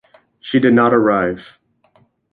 She did not arrive.